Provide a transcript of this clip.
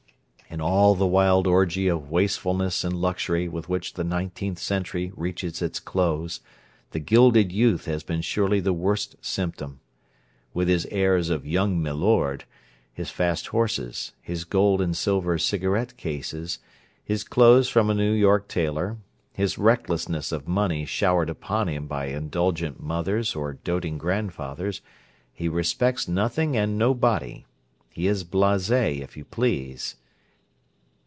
In all the wild orgy of wastefulness and luxury with which the nineteenth century reaches its close, the gilded youth has been surely the worst symptom. With his airs of young milord, his fast horses, his gold and silver cigarette cases, his clothes from a New York tailor, his recklessness of money showered upon him by indulgent mothers or doting grandfathers, he respects nothing and nobody. He is blase if you please.